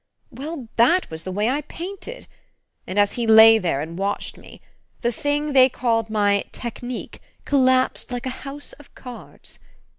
Well that was the way I painted; and as he lay there and watched me, the thing they called my 'technique' collapsed like a house of cards.